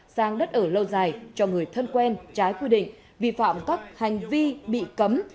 sang đất ở lâu dài cho người thân quen trái quy định vi phạm các hành vi bị cấm